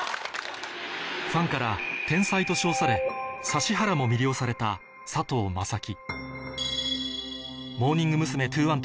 ファンから「天才」と称され指原も魅了された佐藤優樹